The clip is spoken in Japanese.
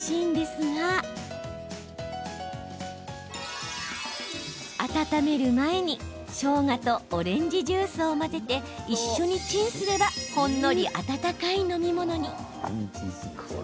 蜂蜜などをかけて食べてもおいしいんですが温める前に、しょうがとオレンジジュースを混ぜて一緒にチンすればほんのり温かい飲み物に。